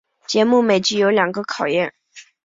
节目每集有两个考验。